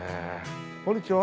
こんにちは。